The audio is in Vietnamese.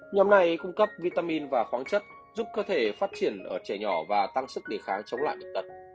nhóm này cung cấp vitamin và khoáng chất giúp cơ thể phát triển ở trẻ nhỏ và tăng sức địa kháng chống lại đất